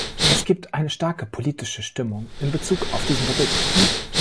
Es gibt eine starke politische Stimmung in bezug auf diesen Bericht.